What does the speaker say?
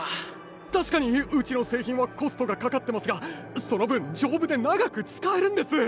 確かにうちの製品はコストがかかってますがその分丈夫で長く使えるんです！